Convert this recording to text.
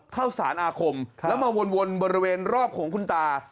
เข้าสารอาคมแล้วมาวนบริเวณรอบของคุณตา